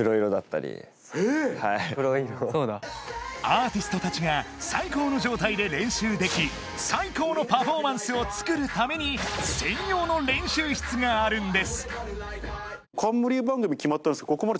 アーティストたちが最高の状態で練習でき最高のパフォーマンスをつくるために専用の練習室があるんですここまで。